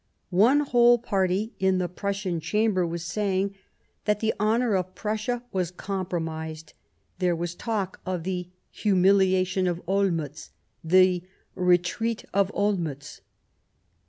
One whole party in the Prussian Chamber were saying that the honour of Prussia was compromised ; there was talk of the " humilia tion " of Olmiitz, the "retreat " of Olmiitz.